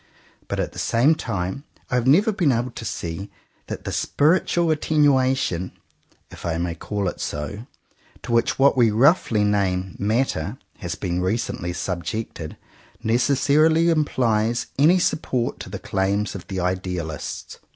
But at the same time I have never been able to see that the spiritual attenuation, if I may call it so, to which what we roughly name matter has been recently subjected, necessarily implies any support to the claims of the idealists.